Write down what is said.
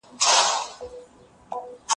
زه پرون کتابونه لولم وم.